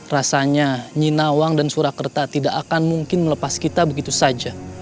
rasanya nyinawang dan surakarta tidak akan mungkin melepas kita begitu saja